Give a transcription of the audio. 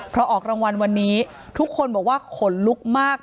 พอออกรางวัลวันนี้ทุกคนบอกว่าขนลุกมาก